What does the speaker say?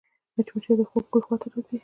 مچمچۍ د خوږ بوی خواته ورځي